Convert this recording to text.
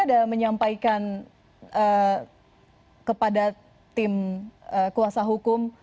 ada menyampaikan kepada tim kuasa hukum